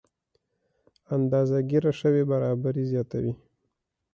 اندازه ګیره شوې برابري زیاتوي.